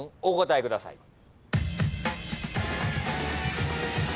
お答えください。